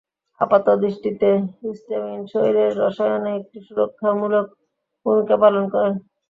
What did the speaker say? আপাতদৃষ্টিতে হিস্টামিন শরীরের রসায়নে একটি সুরক্ষামূলক ভূমিকা পালন করেন।